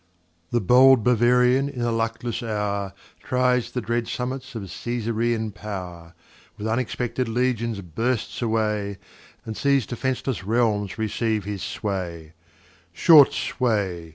] The bold Bavarian, in a luckless Hour, Tries the dread Summits of Cesarean Pow'r, With unexpected Legions bursts away, And sees defenceless Realms receive his Sway; Short Sway!